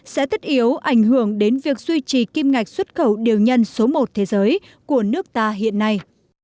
sẽ tất yếu ảnh hưởng đến việc duy trì kim ngạch xuất khẩu điều nhân số một thế giới của nước ta hiện nay